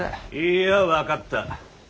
いや分かった。